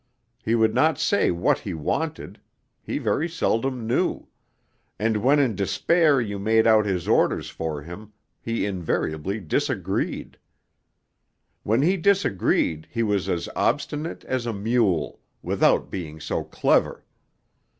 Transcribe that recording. He would not say what he wanted (he very seldom knew), and when in despair you made out his orders for him he invariably disagreed; when he disagreed he was as obstinate as a mule, without being so clever.